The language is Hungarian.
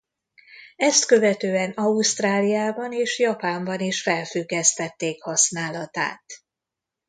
Ezt követően Ausztráliában és Japánban is felfüggesztették használatát.